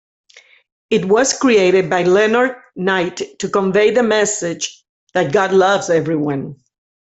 It was created by Leonard Knight to convey the message that "God Loves Everyone".